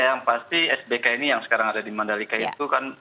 yang pasti sbk ini yang sekarang ada di mandalika itu kan